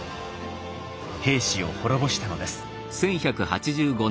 平氏を滅ぼしたのです。